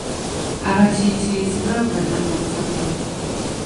Abatiitiizi baava dda ku ttaka.